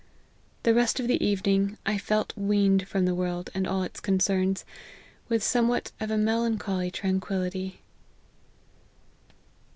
The rest of the evening, I felt \veaned from the world and all its concerns, with somewhat of a melancholy tranquillity."